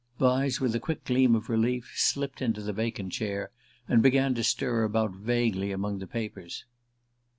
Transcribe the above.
Vyse, with a quick gleam of relief, slipped into the vacant chair, and began to stir about vaguely among the papers.